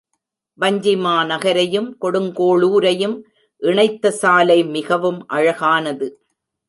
வஞ்சிமாநகரையும் கொடுங்கோளுரையும் இணைத்த சாலை மிகவும் அழகானது.